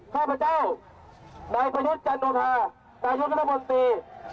ข้าพเจ้านายพยศจันทรานายกรัฐมนตรี